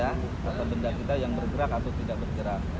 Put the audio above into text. atau benda kita yang bergerak atau tidak bergerak